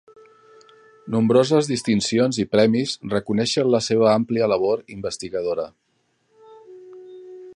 Nombroses distincions i premis reconeixen la seva àmplia labor investigadora.